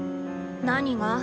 何が？